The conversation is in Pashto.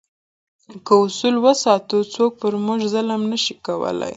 که اصول وساتو، څوک پر موږ ظلم نه شي کولای.